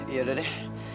ya udah deh